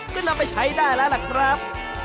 ก็นำไปใช้ได้แล้วล่ะครับ